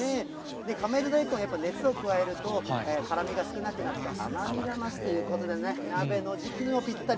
亀戸大根、やっぱり熱を加えると、辛みが少なくなって甘みが増すということでね、鍋の時期にもぴったり。